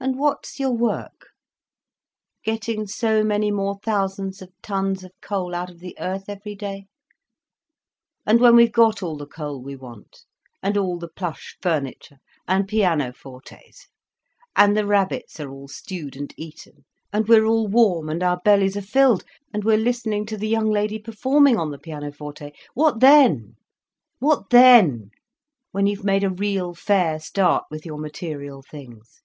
"And what's your work? Getting so many more thousands of tons of coal out of the earth every day. And when we've got all the coal we want, and all the plush furniture, and pianofortes, and the rabbits are all stewed and eaten, and we're all warm and our bellies are filled and we're listening to the young lady performing on the pianoforte—what then? What then, when you've made a real fair start with your material things?"